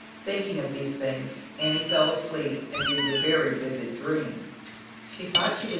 Thinking of these things, Annie h asleep and dreamed a very vivid ri thought she was.